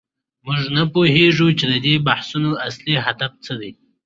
موږ نه پوهیږو چې د دې بحثونو اصلي هدف څه دی.